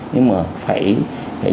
nhưng mà phải